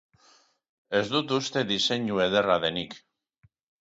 Ez dut uste diseinu ederra denik.